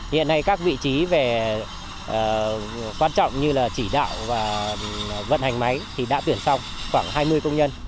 hiện nay các vị trí về quan trọng như là chỉ đạo và vận hành máy thì đã tuyển xong khoảng hai mươi công nhân